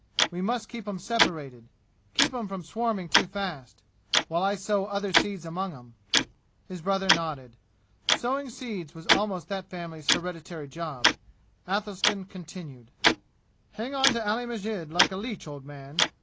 We must keep 'em separated keep 'em from swarming too fast while I sow other seeds among 'em." His brother nodded. Sowing seeds was almost that family's hereditary job. Athelstan continued: "Hang on to Ali Masjid like a leech, old man!